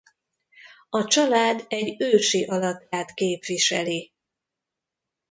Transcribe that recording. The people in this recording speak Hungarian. A család egy ősi alakját képviseli.